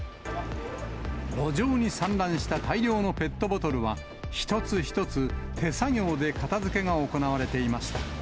路上に散乱した大量のペットボトルは、一つ一つ手作業で片づけが行われていました。